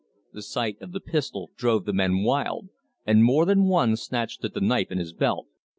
The sight of the pistol drove the men wild, and more than one snatched at the knife in his belt.